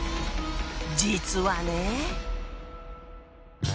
実はね。